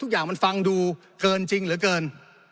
ทุกอย่างมันฟังดูเกินจริงเหลือเกิน